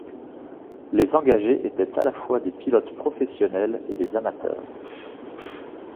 Les engagés étaient à la fois des pilotes professionnels et des amateurs.